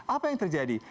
apa yang terjadi